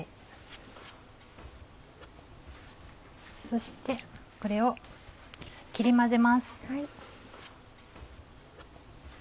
そしてこれを切り混ぜます。